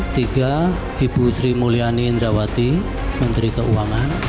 tiga ibu sri mulyani indrawati menteri keuangan